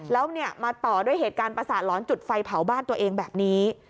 แล้วมาต่อด้วยเหตุการณ์ประสาทหลอนจุดไฟเผาบ้านตัวเองแบบนี้